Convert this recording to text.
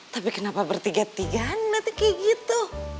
tapi kenapa bertiga tigaan nanti kayak gitu